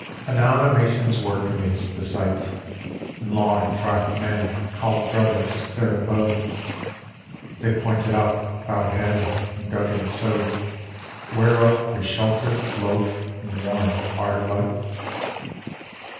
VII Anon a mason's work amazed the sight, And long frocked men, called Brothers, there abode. They pointed up, bowed head, and dug and sowed; Whereof was shelter, loaf, and warm firelight.